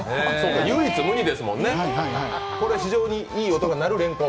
唯一無二ですものね、これは非常にいい音が鳴るレンコン。